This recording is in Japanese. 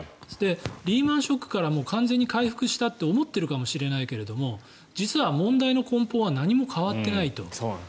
リーマン・ショックから完全に回復したと思っているかもしれないけど実は問題の根本は何も変わっていないと。